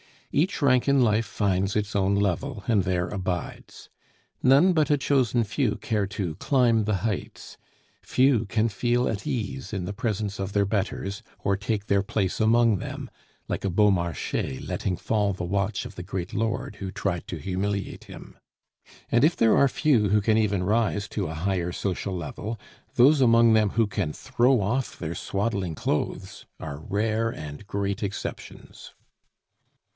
Each rank in life finds its own level, and there abides. None but a chosen few care to climb the heights, few can feel at ease in the presence of their betters, or take their place among them, like a Beaumarchais letting fall the watch of the great lord who tried to humiliate him. And if there are few who can even rise to a higher social level, those among them who can throw off their swaddling clothes are rare and great exceptions.